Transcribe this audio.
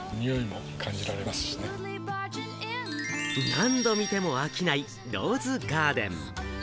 何度見ても飽きない、ローズガーデン。